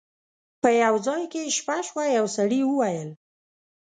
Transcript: په یو ځای کې یې شپه شوه یو سړي وویل.